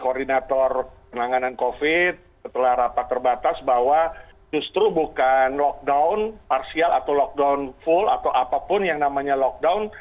koordinator penanganan covid setelah rapat terbatas bahwa justru bukan lockdown parsial atau lockdown full atau apapun yang namanya lockdown